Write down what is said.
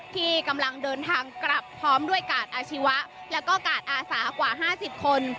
ที่กำลังเดินทางกลับพร้อมด้วยกาดอาชีวะแล้วก็กาดอาสากว่า๕๐คน